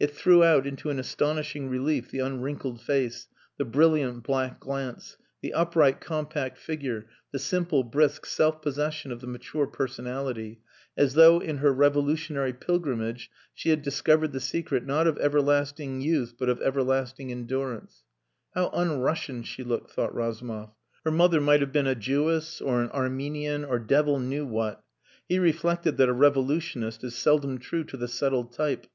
It threw out into an astonishing relief the unwrinkled face, the brilliant black glance, the upright compact figure, the simple, brisk self possession of the mature personality as though in her revolutionary pilgrimage she had discovered the secret, not of everlasting youth, but of everlasting endurance. How un Russian she looked, thought Razumov. Her mother might have been a Jewess or an Armenian or devil knew what. He reflected that a revolutionist is seldom true to the settled type.